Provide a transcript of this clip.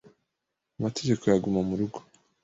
amategeko ya guma mu rugo